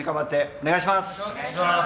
お願いします。